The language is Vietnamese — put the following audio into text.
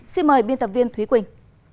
xin mời biên tập viên thúy quỳnh